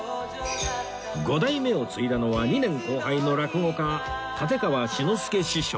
五代目を継いだのは２年後輩の落語家立川志の輔師匠